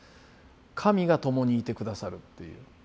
神が共にいて下さるっていう。